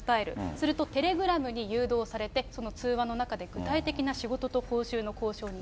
すると、テレグラムに誘導されて、その通話の中で具体的な仕事と報酬の交渉に入る。